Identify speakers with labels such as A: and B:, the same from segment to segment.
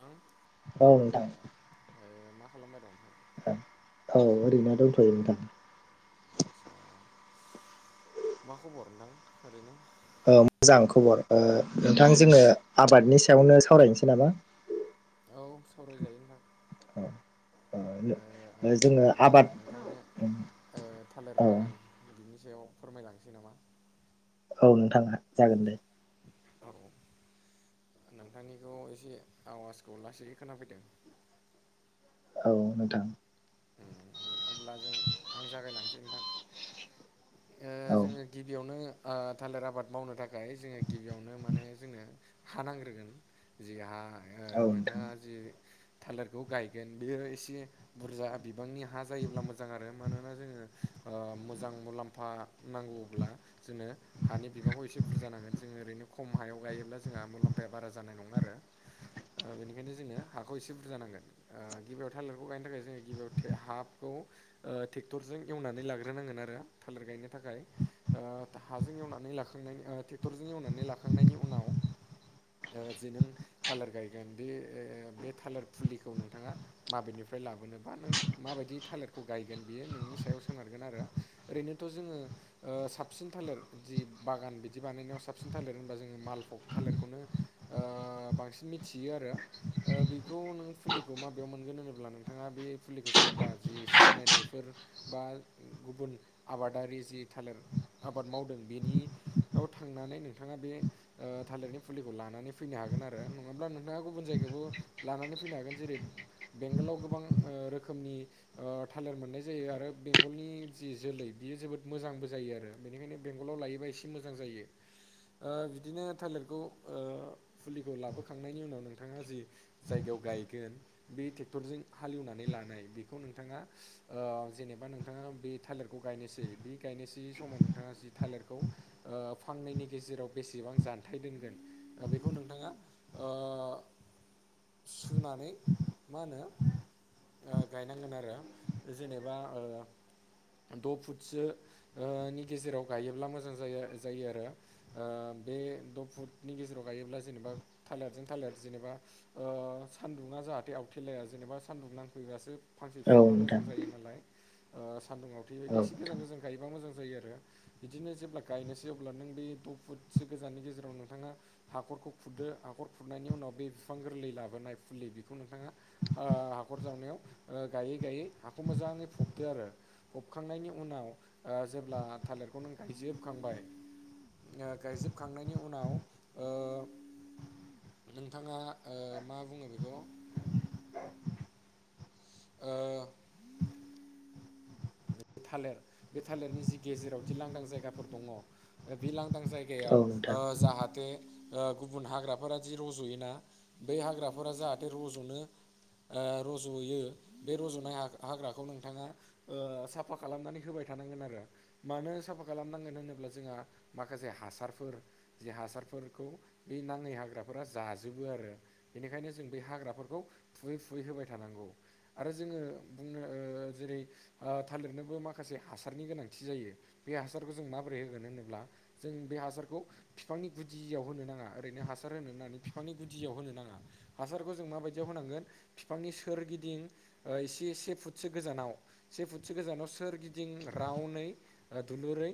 A: थां
B: औ नोंथां।
A: ओ मा खालामबाय दं नोंथां?
B: औ ओरैनो दंथ'यो नोंथां।
A: आदसा मा खबर नोंथां ओरैनो?
B: औ मोजां खबर ओ नोंथां जोङो आबादनि सायावनो सावरायनोसै नामा।
A: औ सावरायजायो नोंथां।
B: औ
A: ओ
B: ओ
A: आङो
B: जोङो
A: अब्ला
B: आबाद।
A: नोंथांनो ओ थालेर
B: औ
A: बागान बिनि सायाव फोरमायलांनोसै नामा।
B: औ नोंथां जागोन दे।
A: औ। नोंथांनिखौ एसे आवाजखौ लासैै खोनाफैदों।
B: औ नोंथां।
A: उम अब्ला जों आं जागायलांसै नोंथां। ओ
B: औ
A: जोङो गिबियावनो। ओ थालेर आबाद मावनो थाखाय जोंनो गिबियावनो माने जोंनो हा नांग्रोगोन जि हा ओ
B: औ नोंथां
A: नोंथाङा जि थालिरखौ गायगोन बेयो एसे बुरजा। बिबांनि हा जायोब्ला मोजां आरो मानोना जोङो ओ मोजां मुलाम्फा। नांगौब्ला जोंनो हानि बिबांखौ एसे बुरजा नांगोन। जोङो ओरैनो खम हायाव गायोब्ला जोंहा मुलाम्फाया बारा जानाय नङा आरो। ओ बेनिखायनो जोङो हाखौ एसे बुरजा नांगोन ओ गिबियाव थालिरखौ गायनो थाखाय जोङो गिबियाव। हाखौ ओ टेक्टरजों एवनानै लाग्रोनांगोन आरो थालिर गायनो थाखाय। ओ हाजों एवनानै लाखांनायनि ओ टेक्टरजों एवनानै लाखांनायनि उनाव। ओ जे नों थालेर गायगोन बे बे थालेर फुलिखौ नोंथाङा माबेनि फ्राय लाबोनोबा नों। माबायदि थालिरखौ गायगोन बियो नोंनि सायाव सोनारगोन आरो ओरैनोथ' जोङो ओ साबसिन। थालिर जि बागान बिदि बानायनायाव साबसिन थालिर होनबा जोङो मालभग थालिरखौनो ओ। बांसिन मिथियो आरो ओ बेखौ नों फुलिखौ माबायाव मोनगोन होनोब्ला नोंथाङा बे। फुलिखौ सोरबा जि सिनायनायफोर बा गुबुन आबादारि जि थालिर। आबाद मावदों बेनि याव थांनानै नोंथाङा बे ओ थालिरनि फुलिखौ लानानै फैनो हा गोन आरो नङाब्ला नोंथाङा गुबुन जायगायावबो लानानै फैनो हागोन जेरै बेंगलाव गोबां ओ रोखो रोखोमनि ओ थालिर मोननाय जायो आरो बेंगलनि जि जोलै बेयो जोबोद मोजांबो जायो आरो। बेनिखायनो बेंगलाव लायोबा एसे मोजां जायो। ओ बिदिनो थालेरखौ ओ फुलिखौ लाबोखांनायनि उनाव नोंथाङा जि जायगायाव। गायगोन बे टेक्टरजों हालेवनानै लानाय। बेखौ नोंथाङा ओ जेनेबा नोंथाङा बे थालेरखौ गायनोसै बे गायनोसै समाव नोंथाङा। आ जि थालिरखौ ओ फांनैनि गेजेराव बेसेबां जानथाय दोनगोन ओ बेखौ नोंथाङा। ओ सुनानै मा होनो। ओ गायनांगोन आरो जेनेबा ओ। द' फुटसो ओ नि गेजेराव गायोब्ला मोजां जायो जायो आरो ओ। बे द' फुटनि गेजेराव गायोब्ला जेनेबा थालेरजों थालेर जेनेबा ओ सान्दुंआ। जाहाथे आउथेलाया जेनेबा सान्दुं नां फैबासो फांसे
B: औ
A: बिफाङा
B: नोंथां
A: मोजां जायो नालाय ओ सान्दुंआवथे
B: औ
A: बायदि एसे
B: नोंथां
A: गोजान गोजान गायोबा मोजां। जायो आारो बिदिनो जेब्ला गायनोसै अब्ला नों बे द' फुथसो गोजाननि गेजेराव नोंथाङा हाख रखौ खुरदो हाखर खुरनायनि उनाव बे फिफां गोरलै लाबोनाय फुलि बेखौ नोंथाङा ओ हाखर। जावनायाव गायै गायै हाखौ मोजाङै फबदो आरो फबखांनायनि उनाव ओ जोब ब्ला थालेरखौ नों गायजोबखांबाय। गायजोबखांनायनि उनाव ओ नोंथाङा ओ मा बुङो बेखौ ओ थालिर बे थालिरनि जि गेजेराव जि लांदां जायगाफोर दङ बे लां लादां
B: औ
A: जायगायाव ओ
B: नोंथां
A: जाहाथे ओ गुबुन हाग्राफोरा जि रज'योना बै हाग्राफोरा जाहाथे रज'नो ओ रज'यो बे रज'नाय हा-हाग्राखौ नोंथाङा ओ साफ फा खालामनानै होबाय थानांगोन आरो मानो साफा खालामनांगोन होनोब्ला जोंहा माखासे हासारफोर जे हासारफोरखौ बे नाङै हाग्राफोरा जाजोबो आरो बेनिखायनो जों बे हाग्राफोरखौ फुयै फुयै होबाय थानांगौ आरो जोङो बुंनो जेरै थालिरनोबो माखासे हासारनि गोनांथि जायो बे हासारखौ जों माबोरै होगोन होनोब्ला जों बे हासारखौ खौ बिफांनि गुदियाव होनो नाङा ओरैनो हासार होनो होननानै बिफांनि गुदियाव होनो नाङा हासारखौ जों मा बायदियाव होनांगोन बिफांनि सोरगिदिं एसे एसे फुटसो गोजानाव सेफुट मोनसे गोजानाव सोरगिदिं रावनै दुलुरै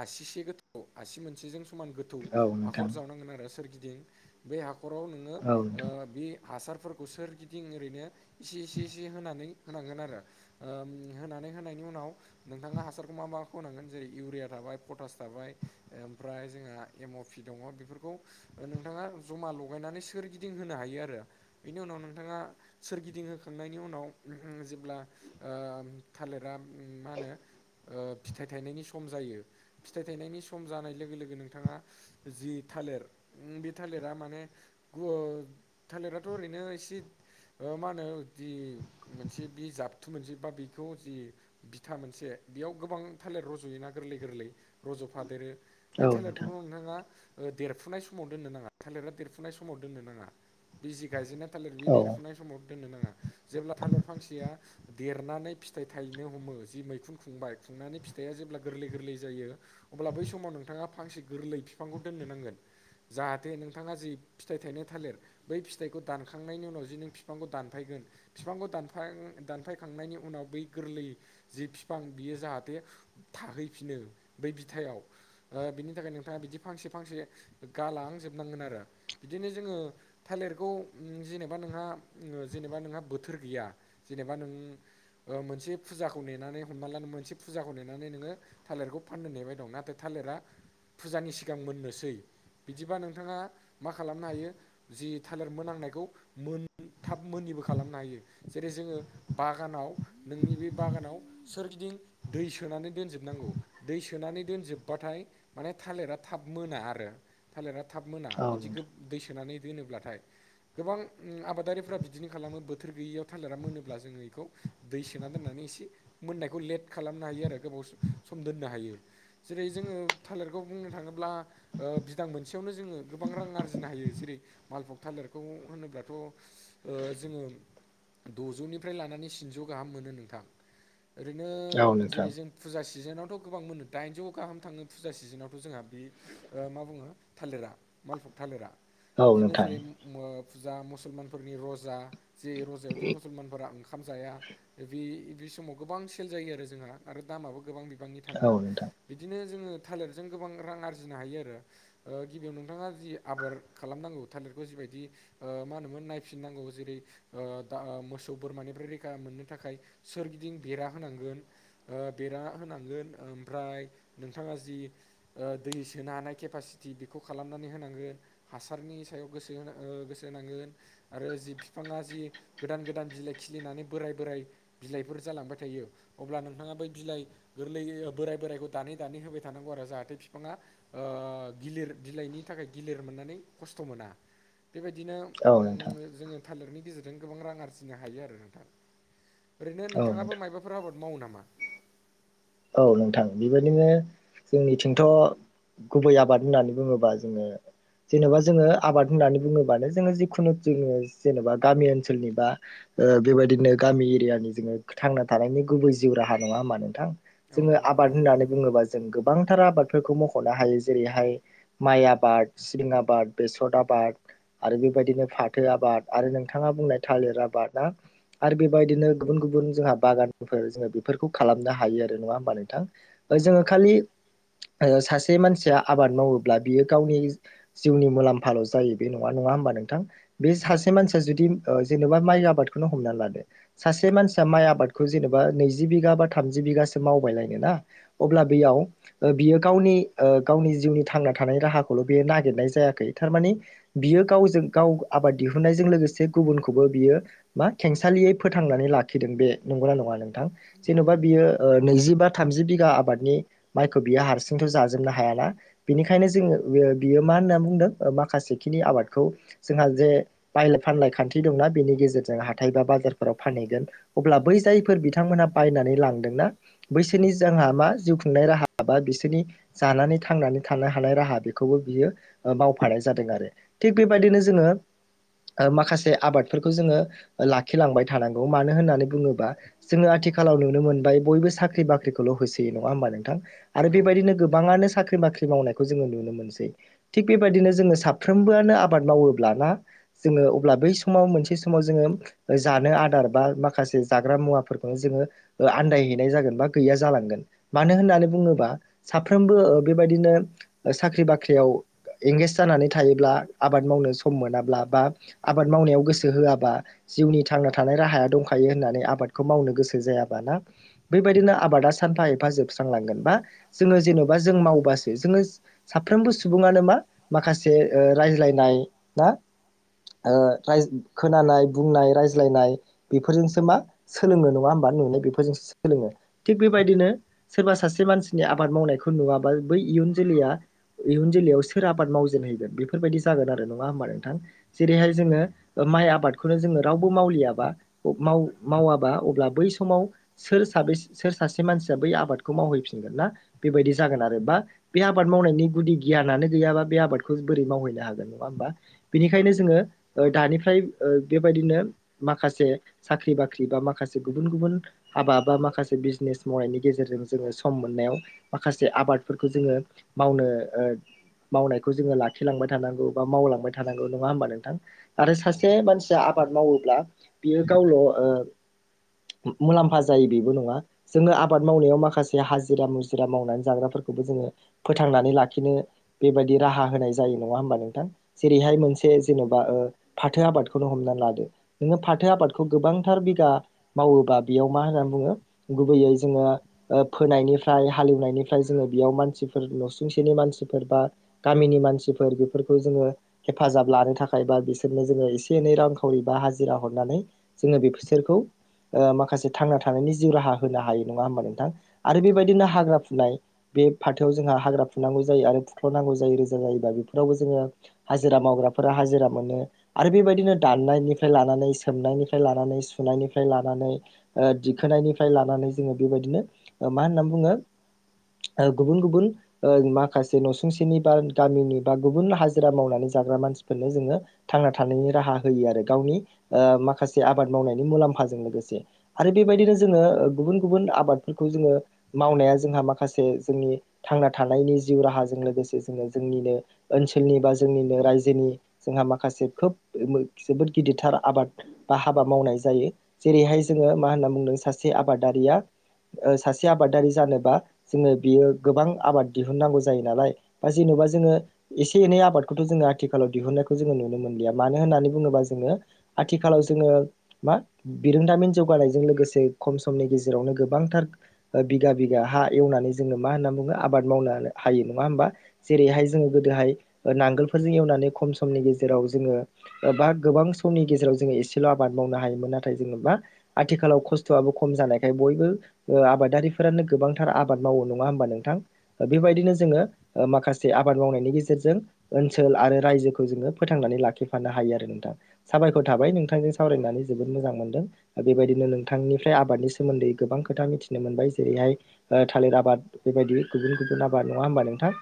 A: आसिसे गोथौ आसि मोनसेजों समान गोथौ
B: औ नोंथां औ
A: हाखर
B: नोंथां
A: जावनांगोन आरो सोरिदि दिं बै हाखराव नोङो
B: औ नोंथां औ
A: बे हासारफोरखौ सोरगिदिं ओरैनो इसे इसे इसे होनानै होनांगोन आरो होनानै होनायनि उनाव नोंथाङा हासारखौ मा मा खौ होनांगोन जेरै इउरिया थाबाय फथास थाबाय ओमफ्राय जोंहा एम अ पि दङ बेफोरखौ नोंथाङा जमा लगायनानै सोरगिदिं होनो हायो आरो। बेनि उनाव नोंथाङा सोरगिदिंहोखांनायनि उनाव जेब्ला थालिरा मा होनो फिथाइ थायनायनि सम जायो फिथाइ थाइनायनि सम जानाय लोगो लोगो नोंथाङा जि थालिर बे थालिरा माने थालिर थ' ओरैनो एसे मा होनो मोनसे बि जाबथु मोनसे बा बेखौ जि बिथा मोनसे बेयाव गोबां थालिर रज'योना गोरलै गोरलै रज'फादेरो बे
B: औ नोंथां
A: थालिरफोरखौ नोंथाङा देरफुनाय समाव दोननो नाङा थालिर् देरफुनाय समाव दोननो नाङा बिजि गायजेननाया थालिर बि
B: औ
A: देरफुनाय समाव दोननो नाङा जेब्ला थालिर फांसेया देरनानै फिथाइ थायनो हमो जि मैखुन खुंबाय खुंनानै फिथाइआ जेब्ला गोरलै गोरलै जायो अब्ला बै समावनो नोंथाङा फांसे गोरलै बिफांखौ दोननो नांगोन जाहाथे नोंथाङा जि फिथाइ थाइनो थालेर बै फिथाइखौ दानखांनायनि उनाव जि नों बिफांखौ दानफायगोन बिफांखौ दानफायखांनायनि उनाव बै गोरलै जे बिफां बियो जाहाथे थाहैफिनो बै बिथायाव बिनि थाखाय नोंथाङा बिदि फांसे फांसे गालांजोबनांगोन आरो बिदिनो जोङो थालिर बेखौ जेनेबा नोंहा जेनेबा नोंहा बोथोर गैया जेनेबा नों मोनसे फुजाखौ नेनानै हमनाला मोनसे फुजाखौ नेनानै नोङो थालिरखौ फाननो नेबाय दं नाथाय थालिर फुजानि सिगां मोननोसै बिदिबा नोंथाङा मा खालामनो हायो जि थालिर मोनांनायखौ मोन। थाब मोनिबो खालामनो हायो जेरै जोङो बागानाव नोंनि बे बागानाव सोरगिदिं दै सोनानै दोनजोबनांगौ दै सोनानै दोनजोबबाथाय आमफ्राय माने थालिरा थाब मोना आरो थालिरा थाब मोना बिदि दै सोनानै दोनोब्लाथाय गोबां आबादारिफ्रा बिदिनो खालामो बोथोर गैयियाव थालिरा मोनोब्ला जोङो बेखौ दै सोना दोननानै एसे मोननायखौ लेट खालामनो हायो आरो गोबाव सम दोननो हायो जेरै जों जोङो थालिरखौ बुंनो थाङोब्ला बिदां मोनसेयावनो जोङो गोबां रां आरजिनो हायो जेरै थालिरखौ होनोब्लाथ ओ जोङो दजौनिफ्राय लानानै गाहाम मोनो नोंथां ओरैनो
B: नोंथां औ नोंथां
A: जेरै फुजा सिजोनावथ' गोबां मोनो दाइनजौ गाहाम थाङो फुजा सिजोनावथ' जोंहा बे मा बुङो थालिरा मालफुग थालिरा
B: औ नोंथां
A: बिदिनो जेरै फुजा मुसलमानफोरनि रजा। जे रजायावदि मुसलमानफोरा ओंखाम जाया। बे बे समाव गोबां सेल जायो आरो जोंहा आरो दामाबो गोबां बि गोबांनि थाङो बिदिनो जोङो थालिरजों गोबां रां आरजिनो हायो आरो गिबियाव नोंथाङा जि आबाद खालामनांगौ थालिरखौ जिबायदि ओ मा होनोमोन नायनांगौ जेरै मोसौ बोरमानिफ्राय रैखामोनो थाखाय सोरगिदिं बेरा होनांगोन ओ बेरा होनांगोन ओमफ्राय नोंथाङा ओ जि दै सोनो हानाय केपासिति बेखौ खालामनानै होनांगोन हासारनि सायावसो गोसोनांगोन आरो जि बिफाङा जि गोदान गोदान बिलाइ खिलिनानै बोराय बोराय बिलाइफोर जालांबाय थायो अब्ला नोंथाङा बै बिलाइ गोरलै बोराय बोरायखौ दानै दानै होबाय थायो। थानांगौ आरो जाहाथे बिफाङा गिलिर बिलाइनि थाखाय गिलिर मोननानै खस्थ' मोना। बेबायदिनो
B: औ नोंथां
A: जोङो थालिरनि गेजेरजों गोबां रां आरजिनो हायो आरो नोंथां। ओरैनो
B: औ नोंथां
A: नोंथाङाबो मायबाफोर आबाद मावो नामा
B: औ नोंथां बेबायदिनो जोंनिथिंथ गुबै आबाद होननानै बुङोबा जोङो जेनेबा जोङो आबाद होननानै बुङोबानो जोङो जिखुनु जोङो जेनेबा गामि ओनसोलनि बा ओ बेबायदिनो गामि एरियानि जोङो थांना थानायनि गुबै जिउ राहा नङा होमा नोंथां
A: औ
B: जोङो
A: नंगौ नंगौ
B: आबाद होननानै बुङोबा जों गोबांथार आबादफोरखौ मखनो हायो जेरैहाय माइ आबाद सिबिं आबाद बेसर आबाद बाद आरो बेबायदिनो फाथो आबाद आरो नोंथाङा बुंनाय थालिर आबाद ना आरो बेबायदिनो बिदिनो गुबुन गुबुन जोंहा बागानफोर जोङो बेफोरखौ खालामनो हायो नङा होमबा नोंथां
A: औ
B: जोङो
A: औ
B: खालि ओ सासे मानसिया आबाद मावोब्ला बियो गावनि जिउनि मुलाम्फाल जायो बे नङाा नंङा होमबा नोंथां बे
A: उम
B: सासे मानसिया जुदि ओ जेनबा माइ आबादखौनो हमनानै लादो सासे मानसि माइ आबादखौ जेनेबा नैजि बिघा बा थामजि बिघा सो मावबाय लायनो ना अब्ला बेयाव बियो गावनि गावनि जिउनि थांना थानाय राहाखौ ल नागिरनाय जायाखै थारमाने बियो गावजों गाव आबाद दिहुननायजों लोगोसे गुबखौबो बियो बा खेंसालियै फोथांनानै लाखिदों बे नंगौना नङा नोंथां
A: नंगौ
B: जेनबा
A: नंगौ
B: बियो नैजि बा थामजि बिघा आबादनि माइखौ बियो हारसिंथ जाजोबनो हायाना बेनिखायनो जोङो बियो मा होनना बुंदों माखासेखिनि आबादखौ जोंहा जे बायलाय फानलाय खान्थि दंना बेनि गेजेरजों हाथाय बा बाजारफोराव फानहैगोन अब्ला बै जायफोर बिथांमोनहा बायनानै लांदोंना बैसोरनि जोंहा मा जिउ खुंनाय राहा बा बिसोरनि जानानै थांनानै थानो हानाय राहा बेखौ खौबो बियो मावफानाय जादों आरो थिग बेबायदिनो जोङो माखासे आबादफोरखौ जोङो लाखिलांबाय थानांगौ मानो होननानै बुङोबा जोङो आथिखालाव नुनो मोनबाय बयबो साख्रि बाख्रिखौल होसोयो नङा होमबा नोंथां
A: औ
B: आरो बेबायदिनो गोबाङनो साख्रि बाख्रि मावनायखौ जोङो नुनो मोनसै थिग बेबायाददिनो जोङो साफ्रोमबोआनो आबाद मावोब्लाना जोङो अब्ला बै समाव मोनसे समाव जोङो जानो आदार बा माखासे जाग्रा मुवाफोरखौ जोंङो आनदायहैनाय जागोन बा गैया जालांगोन मानो होननानै बुङोबा साफ्रोमबो बेबायदिनो साख्रि बाख्रियाव एंगेज जानानै थायोब्ला आबाद मावनो सम मोनाब्ला बा आबाद मावनायाव गोसो होआबा जिउनि थांना थानाय राहाया दंखायो होननानै आबादखौ मावनो गोसो जायाबाना बेबायदिनो आबादा सानफा एफा जोबस्रांलांगोन बा जोङो जेनबा जों मावबसो जोङो साफ्रो साफ्रोमबो सुबुङानो मा माखासे रायज्लायनाय ना ओखोनानाय बुंनाय रायज्लायनाय बेफोरजोंसो मा सोलोंनो नङा होमबा मा नुनाय बेफोरजों सोलोङो थिग बेबायदिनो सोरबा सासे मानसिनि आबाद मावनायखौ नुवाबा बै इयुन जोलैया इयुन जोलैयाव सोर आबाद मावजेनहैगोन बेफोरबायदि जागोन आरो नङा होमबा नोंथां जेरैहाय जोङो माइ आबादखौनो जोङो रावबो मावलियाबा मावाबा अब्ला बै समाव सोर साबैसे बा सोर सासे मानसिया बै आबादखौ मावहैफिनगोन ना बेबायदि जागोन आरो बा बे आबाद माव मावनायनि गुदि गियानो गैयाबा बे आबादखौ बोरैै मावहैनो हागोन नङा होमबा बेनिखायनो जोंङो दानिफ्राय ओ बेबायदिनो माखासे साख्रि बाख्रि बा माखासे गुबुन गुबुन हाबा बा माखासे बिजनेस मावनायनि गेजेरजों जोङो सम मोननायाव माखासे आबादफोरखौ जोङो मावनो ओ मावनायखौ जोङो लाखिलांबाय थानांगौ बा मावलांबाय थानांगौ नङा होमबा नोंथां आरो सासे मानसिया आबाद मावोब्ला बियो गावल' मुलाम्फा जायो बेबो नङा जोङो आबाद मावनायाव माखासे हाजिरा मुजिरा मावनानै जाग्राफोरखौबो जोङो फोथांनानै लाखिनो बेबायदि राहा होनाय जायो नङा होमबा नोंथां
A: औ
B: जेरैहाय मोनसे जेन'बा। फाथो आबादखौनो हमना लादो नोङो फाथो आबादखौ गोबांथार बिघा मावोबा बेयाव मा होननानै बुङो गुबैयै जोङो फोनायनिफ्राय हालेवनायनिफ्राय जोङो बेयाव मानसि न'सुंसेनि मानसिफोर बा गामिनि मानसिफोर बेफोरखौ जोङो हेफाजाब लानो थाखाय बा बिसोरनो जोङो एसे एनै रांखावरि बा हाजिरा हरनानै जोङो बे बिसोरखौ माखासे थांना थानायनि जिउ राहा होनो हायो नङा होमबा नोंथां आरो बेबायदिनो हाग्रा फुनाय बे फाथोआव जोंहा हाग्रा फुनुनांगौ जायो आरो फुख्ल'नांगौ जायो रोजा जायोबा बेफोरावबो जोङो हाजिरा माव हाजिरा मोनो आरो बेबायदिनो दाननायनिफ्राय लानानै सोमनायनिफ्राय लानानै सुनायनि लानानै दिखोनायनिफ्राय लानानै जोङो बेबायदिनो मा होननानै बुङो गुबुन गुबुन माखासे नसुंसेनि बा गामिनि बा गुबुन हाजिरा मावनानै जाग्रा मानसिफोरनो जोङो थांना थानायनि राहा होयो आरो गावनि ओ माखासे आबाद मावनायनि मुलाम्फा जों लोगोसे आरो बेबायदिनो जोङो गुबुन गुबुन आबादफोरखौ जोङो मावनाया जोंहा माखासे जोंनि थांना थानायनि जिउ राहाजों लोगोसे जोङो जोंनिनो ओनसोलनि बा जोंनिनो रायजोनि जोंहा माखासे खोब जोबोद गिदिरथार आबाद बा हाबा मावनाय जायो जेरैहाय जोङो मा होनना बुंदों सासे आबादारिया सासे आबादारि जानोबा जोङो बियो गोबां आबाद दिहुननांगौ जायो नालाय बा जेन'बा बा जोङो एसे एनै आबादखौथ' जोङो आथिखालाव दिहुननायखौ जोङो नुनो मोनलिया मानो होननानै नुङोबा जोङो आथिखालाव जोङो मा बिरोंदामिन जौनायजों लोगोसे खनि गेजेरावनो गोबांथार बिघा बिघा हा एवनानै जोङो मा होन आबाद मावनो हायो मा होनबा जेरैहाय नांगोलफोरजों एवनानै खम सम गेजेराव जोङो बा गोबां समनि गेजेराव जोङो एसेल' आबाद मावनो हायोमोन नाथाय जेनेबा आथिखालाव खस्थ'आबो खम जानायखाय बयबो आबादारिफोरानो गोबांथार आबाद मावो नङा होमबा नोंथां
A: औ
B: बेबायदिनो जोङो माखासे आबाद मावनायनि गेजेरजों ओनसोल आरो रायजोखौ जोङो फोथांनानै लाखिफानो हायो आरो नोंथां साबायखर थाबाय नोंथांजों सावरायनानै जोबोद मोजां मोनदों बेबायदिनो नोंथांनिफ्राय आबादनि सोमोन्दै गोबां खोथा मिथिनो मोनबाय जेरैहाय थालिर आबाद बायदि गुबुन गुबुन आबाद नङा होमबा नोंथां